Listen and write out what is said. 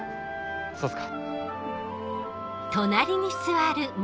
そうっすか。